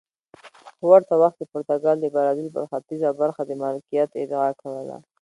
په ورته وخت کې پرتګال د برازیل پر ختیځه برخه د مالکیت ادعا کوله.